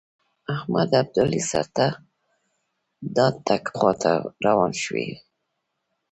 احمدشاه ابدالي بیرته د اټک خواته روان شوی.